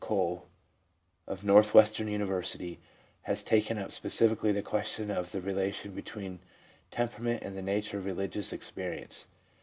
Coe, of Northwestern University, has taken up specifically the question of the relation between temperament and the nature of religious ex perience.